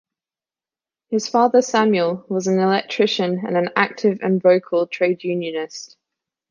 His father, Samuel, was an electrician and an active and vocal trade unionist.